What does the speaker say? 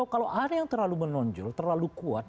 kalau ada yang terlalu menonjol terlalu kuat